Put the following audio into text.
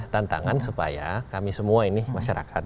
tantangan supaya kami semua ini masyarakat